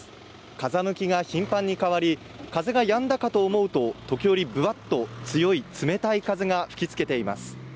風向きが頻繁に変わり風がやんだかと思うと時折グワッと強い冷たい風が吹き付けています